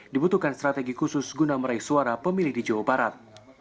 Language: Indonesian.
dibutuhkan strategi khusus guna meraih suara pemilih di jawa barat